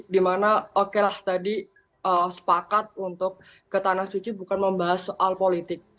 dimana okelah tadi sepakat untuk ke tanah suci bukan membahas soal politik